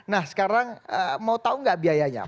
nah sekarang mau tau gak biayanya